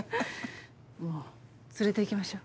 もう連れて行きましょう。